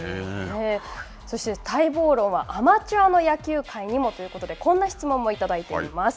そして待望論はアマチュアの野球界にもということで、こんな質問もいただいています。